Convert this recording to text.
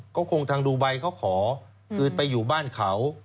ก็คงทางดูไบเขาขอคือไปอยู่บ้านเขา